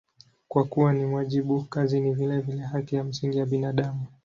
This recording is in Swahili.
Kwa kuwa ni wajibu, kazi ni vilevile haki ya msingi ya binadamu.